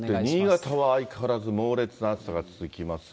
新潟は相変わらず猛烈な暑さが続きます。